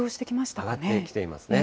上がってきていますね。